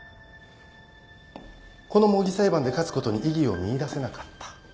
この模擬裁判で勝つことに意義を見いだせなかった。